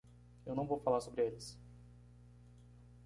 Eu não vou falar sobre eles.